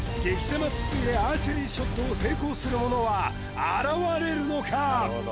狭筒入れアーチェリーショットを成功する者は現れるのか？